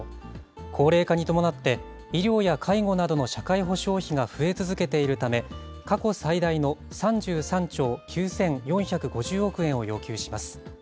高齢化に伴って医療や介護などの社会保障費が増え続けているため、過去最大の３３兆９４５０億円を要求します。